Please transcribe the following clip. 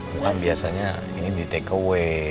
bukan biasanya ini di take away